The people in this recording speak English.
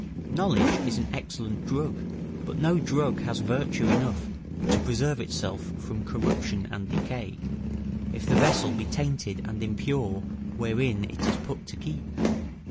Knowledge is an excellent drug, but no drug has virtue enough to preserve itself from corruption and decay, if the vessel be tainted and impure wherein it is put to keep.